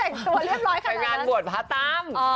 ก็จะไปงานบวชพาตาม